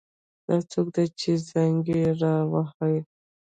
دا څوک ده چې زنګ یې را وهي